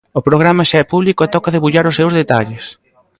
O programa xa é publico e toca debullar os seus detalles.